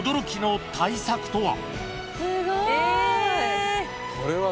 すごい。